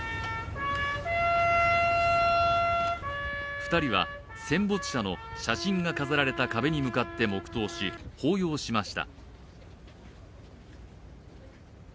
２人は戦没者の写真が飾られた壁に向かって黙とうし、抱擁しました。